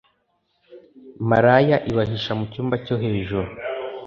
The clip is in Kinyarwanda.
maraya ibahisha mu cyumba cyohejuru